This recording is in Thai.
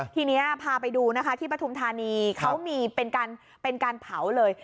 ทีนี้พาไปดูนะคะที่ปฐุมธานีเขามีเป็นการเผาเลย